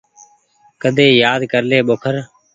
ڪيۮي يآد ڪر لي ٻوکر۔